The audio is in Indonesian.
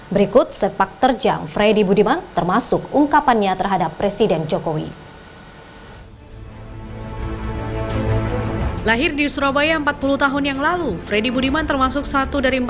berikut sepak terjang freddy budiman termasuk ungkapannya terhadap presiden jokowi